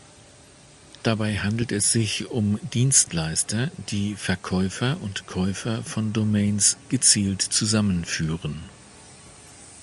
Dabei handelt es sich um Dienstleister, die Verkäufer und Käufer von Domains gezielt zusammenführen.